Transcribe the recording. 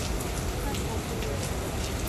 Касат лиеш.